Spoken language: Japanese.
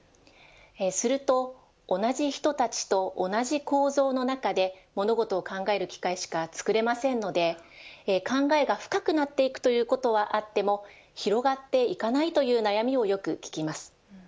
すると、同じ人たちと同じ構造の中で物事を考える機会しか作れませんので考えが深くなっていくということはあっても広がっていかないという悩みをよく聞きます。